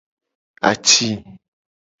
Aci.